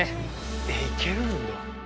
えいけるんだ。